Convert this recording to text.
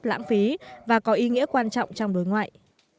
lãng phí và có ý nghĩa quan trọng trong đối ngoại